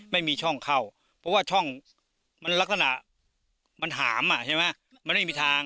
ไม่มีช่องเข้าเพราะว่าช่องมันลักษณะมันหามอ่ะใช่ไหมมันไม่มีทาง